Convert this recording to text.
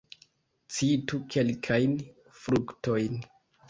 Citu kelkajn fruktojn.